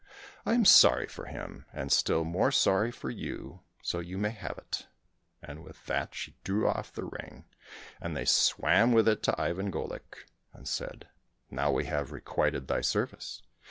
I am sorry for him, and still more sorry for you, so you may have it." And with that she drew off the ring, and they swam with it to Ivan Golik, and said, " Now we have requited thy service.